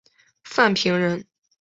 范平人。